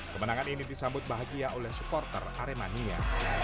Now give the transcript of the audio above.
kemenangan ini disambut bahagia oleh supporter aremania